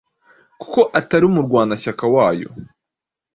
kuko atari umurwanashyaka wa yo.